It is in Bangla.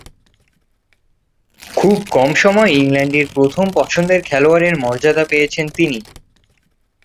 খুব কম সময়ই ইংল্যান্ডের প্রথম পছন্দের খেলোয়াড়ের মর্যাদা পেয়েছিলেন তিনি।